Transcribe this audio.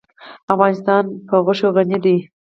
افغانستان په غوښې غني دی.